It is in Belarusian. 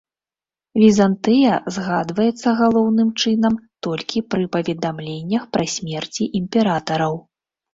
Візантыя згадваецца галоўным чынам толькі пры паведамленнях пра смерці імператараў.